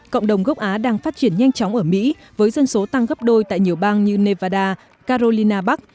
cộng đồng gốc á đang phát triển nhanh chóng ở mỹ với dân số tăng gấp đôi tại nhiều bang như nevada carolina bắc